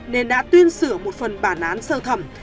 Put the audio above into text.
nên đã tuyên sửa một phần bản án sơ thẩm